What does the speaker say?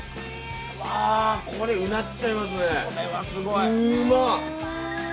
うわこれうなっちゃいますねうまっ。